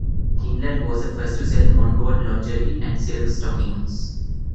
Tinland was the first to sell Montagut lingerie and silk stockings.